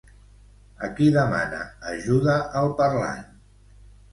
A qui demana ajuda el parlant?